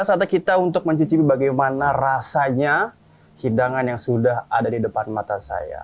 saatnya kita untuk mencicipi bagaimana rasanya hidangan yang sudah ada di depan mata saya